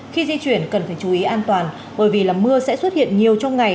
khi di chuyển cần phải chú ý an toàn bởi vì là mưa sẽ xuất hiện nhiều trong ngày